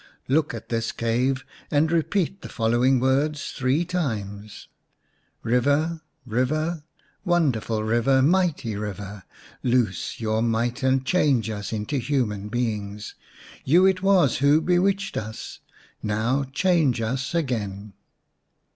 " Look at this cave and repeat the following words three times :" Kiver, river, wonderful river, mighty river, Loose your might and change us into human beings ; You it was who bewitched us, Now change us again."